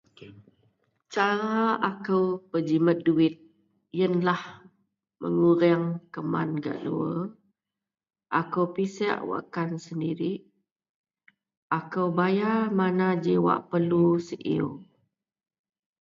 Cara akou bejimat duwit ienlah mengureang keman gak luwar, akou pisek wakkan sendirih, akou bayar mana g wak perlu siew.